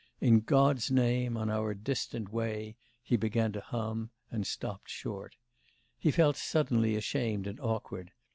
In God's name, on our distant way,' he began to hum, and stopped short. He felt suddenly ashamed and awkward.